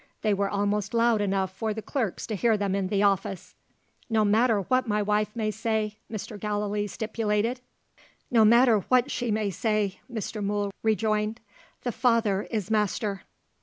They were almost loud enough for the clerks to hear them in the office. "No matter what my wife may say!" Mr. Gallilee stipulated. "No matter what she may say," Mr. Mool rejoined, "the father is master."